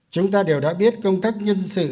chúng ta đều đã biết công tác nhân sự